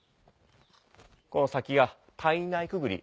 この先が胎内くぐり。